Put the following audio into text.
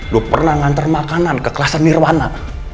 lo pernah nganter makanan ke kelasan nirwana